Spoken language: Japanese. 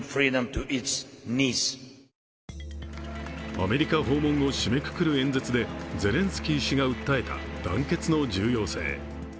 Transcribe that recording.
アメリカ訪問を締めくくる演説でゼレンスキー氏が訴えた団結の重要性。